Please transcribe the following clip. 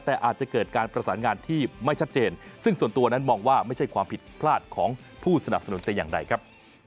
แต่อาจจะเกิดการประสานงานที่ไม่ชัดเจนซึ่งส่วนตัวนั้นมองว่าไม่ใช่ความผิดพลาดของผู้สนับสนุนแต่อย่างใดครับ